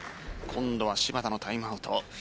今度は芝田のタイムアウト。